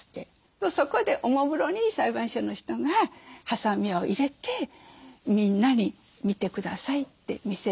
そこでおもむろに裁判所の人がはさみを入れてみんなに見て下さいって見せる。